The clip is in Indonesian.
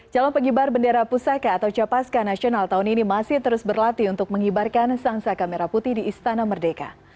calon pengibar bendera pusaka atau capaska nasional tahun ini masih terus berlatih untuk mengibarkan sangsaka merah putih di istana merdeka